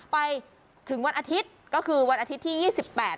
ไปถึงวันอาทิตย์ก็คือวันอาทิตย์ที่ยี่สิบแปด